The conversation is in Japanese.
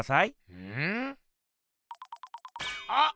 うん？あっ！